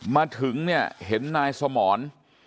มาถึงเนี่ยเห็นนายสมร